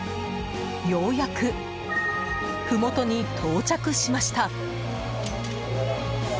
ようやく、ふもとに到着しました。